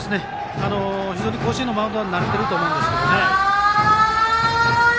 非常に甲子園のマウンドに慣れていると思いますけどね。